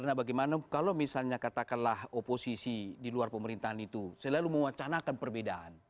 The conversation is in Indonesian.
karena bagaimana kalau misalnya katakanlah oposisi di luar pemerintahan itu selalu mewacanakan perbedaan